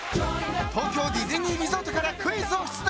東京ディズニーリゾートからクイズを出題。